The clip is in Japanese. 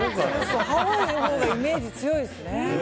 ハワイのほうがイメージ強いですね。